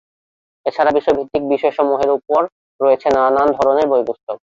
এছাড়া বিষয়ভিত্তিক বিষয় সমুহের উপর রয়েছে নানান ধরনের বই পুস্তক।